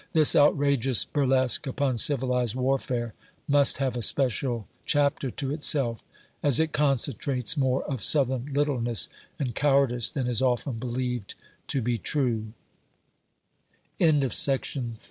This, outrageous bur lesque upon civilized warfare must have a special chapter to itself, as it concentrates more of Southern littleness and cow ardice than is often believed to be